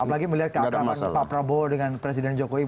apalagi melihat keakraman pak prabowo dengan presiden jokowi